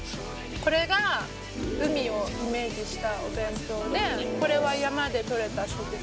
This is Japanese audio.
これが海をイメージしたお弁当でこれは山で取れた食材。